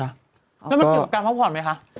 แล้วมันเกี่ยวกับการพักผ่อนไหมคะ